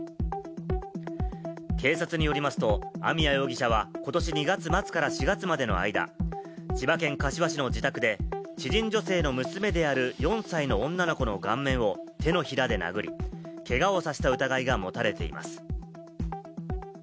警察によりますと、網谷容疑者はことし２月末から４月までの間、千葉県柏市の自宅で知人女性の娘である４歳の女の子の顔面を手のひらで殴り、けがをさせた疑いが持たれています。